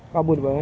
kabut pak ya